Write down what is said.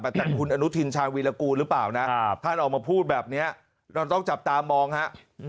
แต่คุณอนุทินชาวีรกูลหรือเปล่านะท่านออกมาพูดแบบนี้เราต้องจับตามองฮะ